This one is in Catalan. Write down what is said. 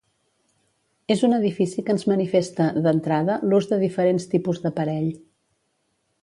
És un edifici que ens manifesta, d'entrada, l'ús de diferents tipus d'aparell.